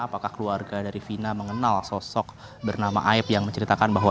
apakah keluarga dari vina mengenal sosok bernama aib yang menceritakan bahwa